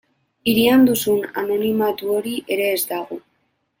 Hirian duzun anonimatu hori ere ez dago.